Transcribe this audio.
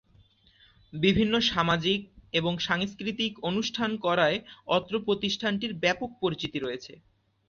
বিভিন্ন সামাজিক এবং সাংস্কৃতিক অনুষ্ঠান করায় অত্র প্রতিষ্ঠানটির ব্যাপক পরিচিতি রয়েছে।